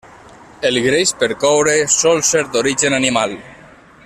El greix per coure sol ser d'origen animal.